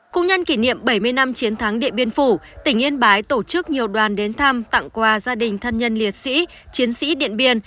cung nhân kỷ niệm bảy mươi năm chiến thắng điện biên phủ tỉnh yên bái tổ chức nhiều đoàn đến thăm tặng quà gia đình thân nhân liệt sĩ chiến sĩ điện biên